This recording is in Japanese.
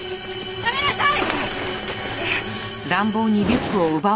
やめなさい！